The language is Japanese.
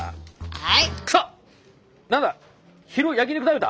はい。